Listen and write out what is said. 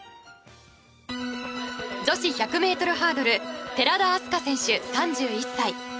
女子１００ｍハードル寺田明日香選手、３１歳。